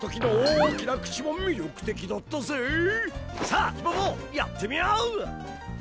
さあヒポポやってみよう！